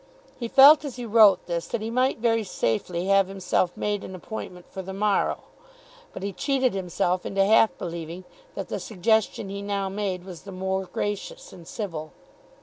He felt as he wrote this that he might very safely have himself made an appointment for the morrow; but he cheated himself into half believing that the suggestion he now made was the more gracious and civil.